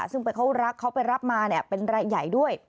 ซึ่งเขาไปรับมาเป็นรายใหญ่ด้วย